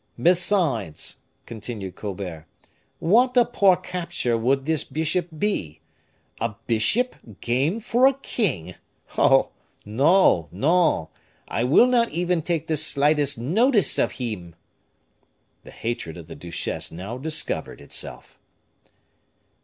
"Besides," continued Colbert, "what a poor capture would this bishop be! A bishop game for a king! Oh! no, no; I will not even take the slightest notice of him." The hatred of the duchesse now discovered itself.